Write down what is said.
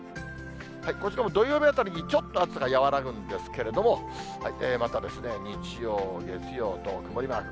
こちらも土曜日あたりにちょっと暑さが和らぐんですけれども、また日曜、月曜と、曇りマーク。